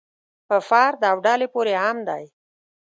په فرد او ډلې پورې هم دی.